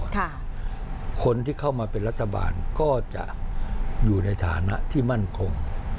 คนที่เข้ามาเป็นรัฐบาลก็จะอยู่ในฐานะที่มั่นคง